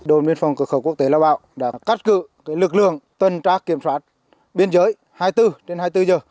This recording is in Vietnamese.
đội biên phòng cực khẩu quốc tế lao bạo đã cắt cử lực lượng tuân trác kiểm soát biên giới hai mươi bốn trên hai mươi bốn giờ